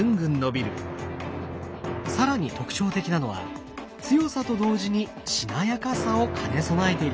更に特徴的なのは強さと同時にしなやかさを兼ね備えていること。